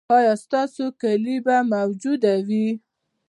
ایا ستاسو کیلي به موجوده وي؟